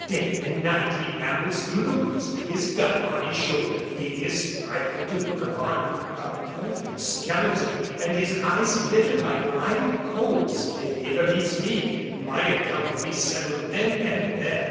Day and night he rambles through the woods with his gun on his shoulder. He is frightful to look upon, a perfect skeleton, and his eyes glitter like live coals. If he ever meets me, my account will be settled then and there."